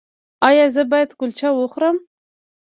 ایا زه باید کلچه وخورم؟